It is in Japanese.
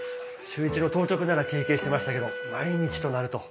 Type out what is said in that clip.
週１の当直なら経験してましたけど毎日となると。